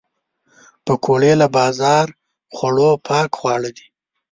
پکورې له بازار خوړو پاک خواړه دي